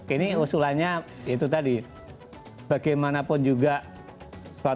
ini usulannya itu tadi bagaimanapun juga suatu keberhasilan proyek itu juga ketelibatan masyarakat